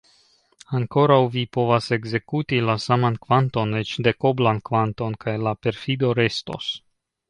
Ankoraŭ vi povas ekzekuti la saman kvanton, eĉ dekoblan kvanton, kaj la perfido restos.